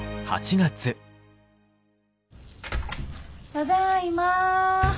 ただいま。